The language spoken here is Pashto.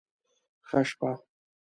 ښه شپه